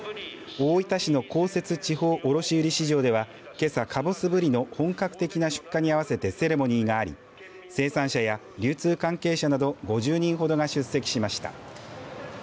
大分市の公設地方卸売市場ではけさ、かぼすブリの本格的な出荷に合わせてセレモニーがあり生産者や流通関係者など５０人ほどが出席しました。